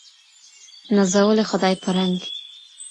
نازولی خدای په رنګ